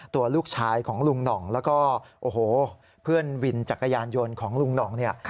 ตัวลูกชายของลุงหน่องแล้วก็โอ้โหเพื่อนวินจักรยานยนต์ของลุงหน่องเนี่ย